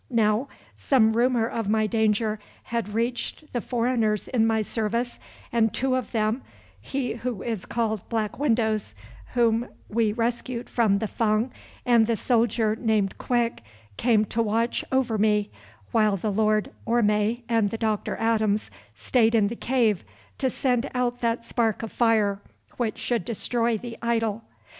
Now, some rumour of my danger had reached the foreigners in my service, and two of them, he who is called Black Windows, whom we rescued from the Fung, and the soldier named Quick, came to watch over me, while the Lord Orme and the Doctor Adams stayed in the cave to send out that spark of fire which should destroy the idol.